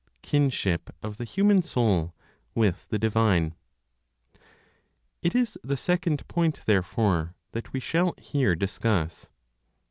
KINSHIP OF THE HUMAN SOUL WITH THE DIVINE. It is the second point, therefore, that we shall here discuss.